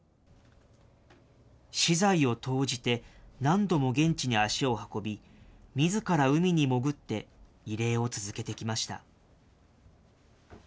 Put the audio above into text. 私財を投じて、何度も現地に足を運び、みずから海に潜って、慰霊を続けてきました。